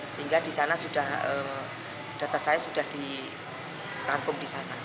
sehingga di sana sudah data saya sudah ditampung di sana